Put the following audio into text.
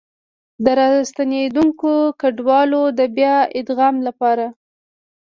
د راستنېدونکو کډوالو د بيا ادغام لپاره